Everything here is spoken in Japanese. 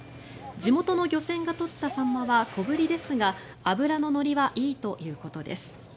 地元の漁船が取ったサンマは小ぶりですが脂の乗りはいいということです。